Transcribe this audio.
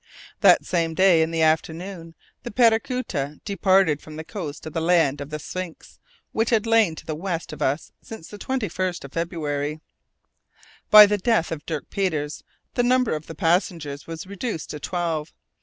That same day, in the afternoon, the Paracuta departed from the coast of the Land of the Sphinx, which had lain to the west of us since the 21st of February. By the death of Dirk Peters the number of the passengers was reduced to twelve.